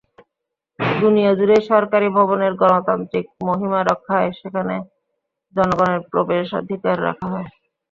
দুনিয়াজুড়েই সরকারি ভবনের গণতান্ত্রিক মহিমা রক্ষায় সেখানে জনগণের প্রবেশাধিকার রাখা হয়।